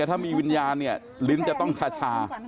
ถ้ามีวิญญาณเนี่ยลิ้นจะต้องชา